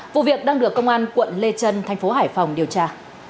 vụ việc đang được công an quận lê trân thành phố hải phòng điều tra